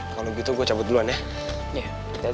kalau begitu gue cabut duluan ya